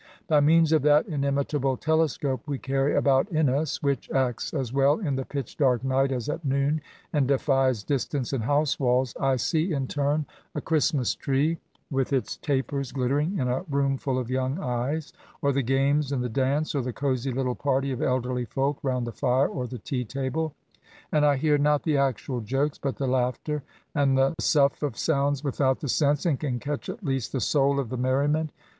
By means of that inimitable telescope we carry about in us, (which acts as weU in the pitch dark night as at noon, and defies distance and house*walls,) I see in turn a Christmas tree^ with its tapers glittering in a room full of young eyes, or the games and the dance, or the cozy little party of elderly folk round the fire or the tea table ; and I hear, not the actual jokes, but the laughter, and " the sough of words without the sense," and can catch at least the soid of the merriment.